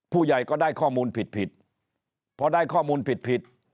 ผู้ใหญ่ก็ได้ข้อมูลผิดผิดพอได้ข้อมูลผิดผิด